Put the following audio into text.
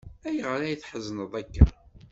Ayɣer ay tḥezneḍ akka?